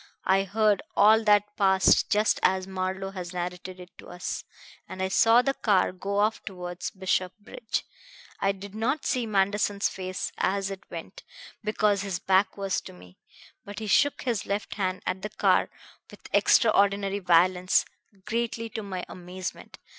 I heard all that passed just as Marlowe has narrated it to us, and I saw the car go off towards Bishopsbridge. I did not see Manderson's face as it went, because his back was to me, but he shook his left hand at the car with extraordinary violence, greatly to my amazement.